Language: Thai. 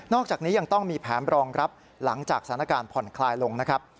อกจากนี้ยังต้องมีแผนรองรับหลังจากสถานการณ์ผ่อนคลายลงนะครับ